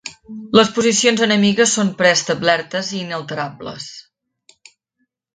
Les posicions enemigues són preestablertes i inalterables.